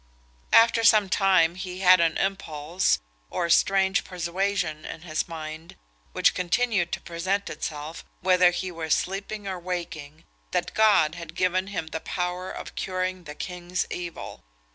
After some time he had an impulse, or strange persuasion in his mind, which continued to present itself, whether he were sleeping or waking, that God had given him the power of curing the king's evil.